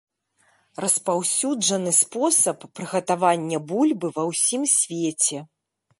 Распаўсюджаны спосаб прыгатавання бульбы ва ўсім свеце.